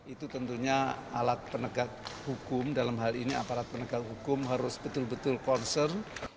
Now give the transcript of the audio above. itu tentunya alat penegak hukum dalam hal ini aparat penegak hukum harus betul betul concern